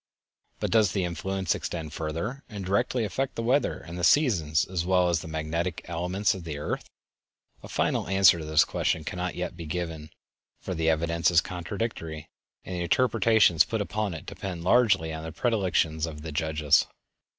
But does the influence extend further, and directly affect the weather and the seasons as well as the magnetic elements of the earth? A final answer to this question cannot yet be given, for the evidence is contradictory, and the interpretations put upon it depend largely on the predilections of the judges.